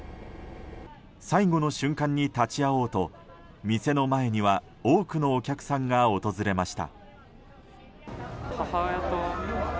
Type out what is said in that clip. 最後の瞬間に立ち会おうと店の前には多くのお客さんが訪れました。